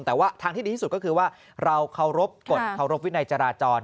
แต่ว่าทางที่ดีที่สุดก็คือว่าเราเคารพกฎเคารพวินัยจราจร